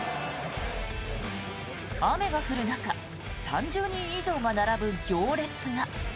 雨が降る中、３０人以上が並ぶ行列が。